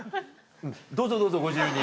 どうぞどうぞご自由に。